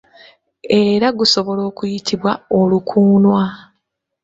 Era gusobola okuyitibwa olukuunwa.